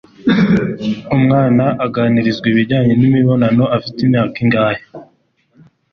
Umwana aganirizwa ibijyanye n'imibonano afite imyaka ingahe